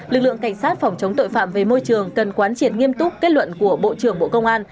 lực lượng cảnh sát phòng chống tội phạm về môi trường cần quán triệt nghiêm túc kết luận của bộ trưởng bộ công an